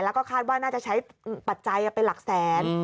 แล้วก็คาดว่าน่าจะใช้ปัจจัยเป็นหลักแสน